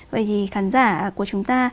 vậy thì khán giả của chúng ta